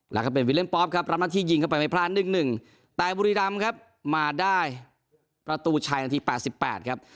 แล้วก็เป็นวิเล่มป๊อปครับรับหน้าที่ยิงเข้าไปไม่พลาด๑๑แต่บุรีรำครับมาได้ประตูชัยนาที๘๘ครับ